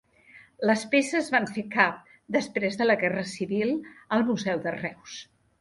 Les peces van fer cap després de la guerra civil, al Museu de Reus.